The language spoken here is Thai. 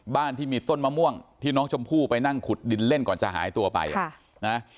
บ้านที่มีต้นมะม่วงที่น้องชมพู่ไปนั่งขุดดินเล่นก่อนจะหายตัวไปค่ะนะ